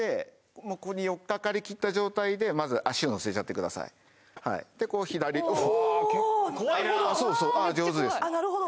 ここに寄っかかりきった状態でまず足を乗せちゃってくださいで左おおなるほどそうそう上手です